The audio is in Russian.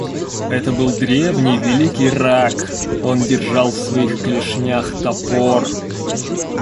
Это был древний, великий рак; он держал в своих клешнях топор.